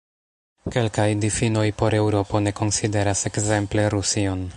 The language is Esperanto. Kelkaj difinoj por Eŭropo ne konsideras ekzemple Rusion.